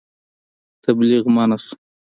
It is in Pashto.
تبلیغ منع شو.